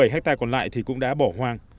bốn mươi bảy hectare còn lại thì cũng đã bỏ hoang